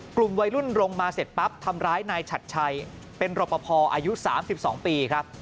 กลุ่มวัยรุ่นลงมาเสร็จปั๊บทำร้ายนายฉัดชัยเป็นรปภอายุ๓๒ปีครับ